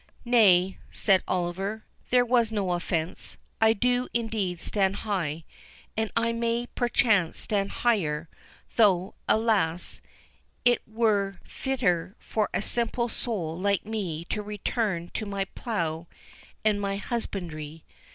"Nay," said Oliver, "there was no offence. I do indeed stand high, and I may perchance stand higher—though, alas, it were fitter for a simple soul like me to return to my plough and my husbandry.